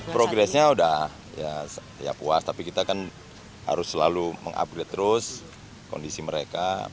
progresnya sudah puas tapi kita harus selalu mengupgrade terus kondisi mereka